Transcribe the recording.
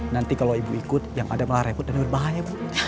nanti kalau ibu ikut yang ada malah repot dan berbahaya bu